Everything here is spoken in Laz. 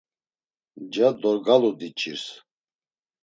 Nca dorgalu diç̌irs.